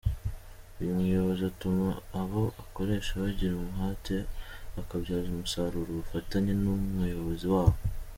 Uyu muyobozi atuma abo akoresha bagira umuhate bakabyaza umusaruro ubufatanye n’umuyobozi wabo.